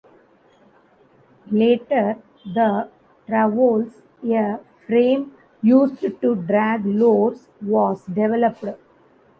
Later, the travois, a frame used to drag loads, was developed.